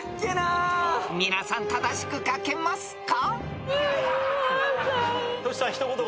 皆さん、正しく書けますか？